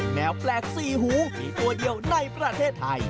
แมวแปลกสี่หูมีตัวเดียวในประเทศไทย